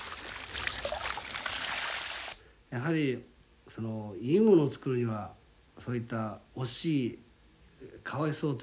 やはりいいものをつくるにはそういった惜しいかわいそうというのをね